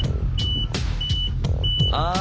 ああ。